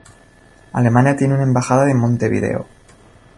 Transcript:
Alemania tiene una embajada en Montevideo.